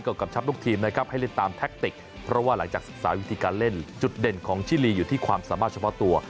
กำชับลูกทีมนะครับให้เล่นตามแท็กติกเพราะว่าหลังจากศึกษาวิธีการเล่นจุดเด่นของชิลีอยู่ที่ความสามารถเฉพาะตัว